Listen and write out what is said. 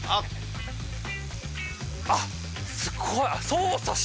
あっすごい！